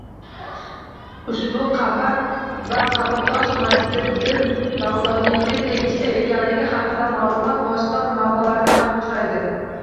Ushbu qabr va qabrtosh Majdiddin Bagʻdodiyga tegishli ekanligi haqidagi maʼlumot boshqa manbalarda ham uchraydi